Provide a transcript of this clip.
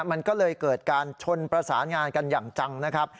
มันก็เลยเกิดการชนประสานงานกันอย่างจังนะครับ